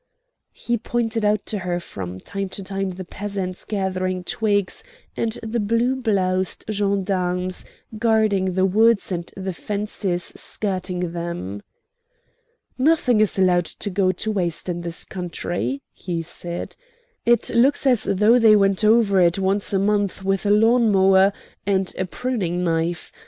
He pointed out to her from time to time the peasants gathering twigs, and the blue bloused gendarmes guarding the woods and the fences skirting them. "Nothing is allowed to go to waste in this country," he said. "It looks as though they went over it once a month with a lawn mower and a pruning knife.